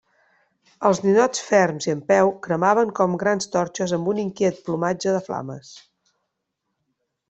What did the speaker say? Els ninots ferms i en peu cremaven com grans torxes amb un inquiet plomatge de flames.